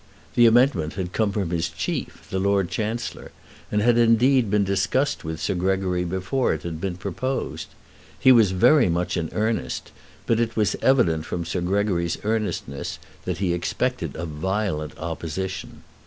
The amendment had come from his chief, the Lord Chancellor, and had indeed been discussed with Sir Gregory before it had been proposed. He was very much in earnest; but it was evident from Sir Gregory's earnestness that he expected a violent opposition.